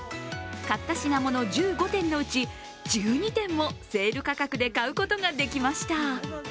買った品物１５点のうち１２点もセール価格で買うことができました。